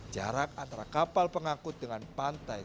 jarak antara kapal pengangkut dengan pantai